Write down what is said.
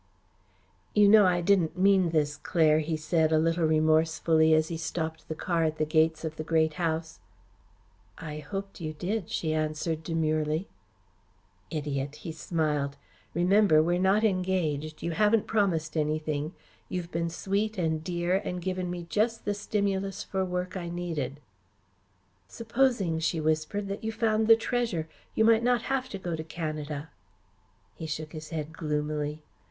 "You know I didn't mean this, Claire," he said, a little remorsefully, as he stopped the car at the gates of the Great House. "I hoped you did," she answered demurely. "Idiot!" he smiled. "Remember, we're not engaged. You haven't promised anything. You've been sweet and dear and given me just the stimulus for work I needed." "Supposing," she whispered, "that you found the treasure; you might not have to go to Canada." He shook his head gloomily.